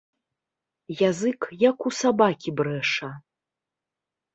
Язык як у сабакі брэша.